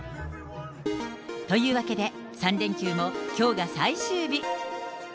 というわけで、３連休もきょうが最終日。